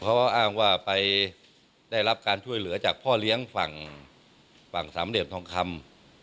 เขาก็อ้างว่าไปได้รับการช่วยเหลือจากพ่อเลี้ยงฝั่งฝั่งสามเหลี่ยมทองคำ